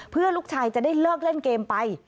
เพื่อลูกชายจะได้เลิกเล่นเกมไป